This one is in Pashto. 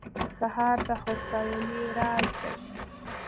سهار د هوساینې راز دی.